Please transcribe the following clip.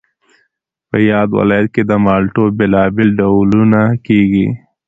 په یاد ولایت کې د مالټو بېلابېل ډولونه کېږي